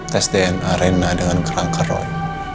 tes dna dengan kerangka roy